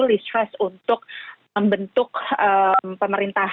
lisschres untuk membentuk pemerintah